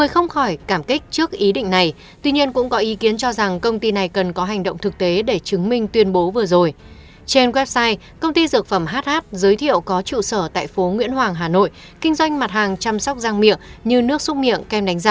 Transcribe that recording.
hãy đăng ký kênh để ủng hộ kênh của chúng mình nhé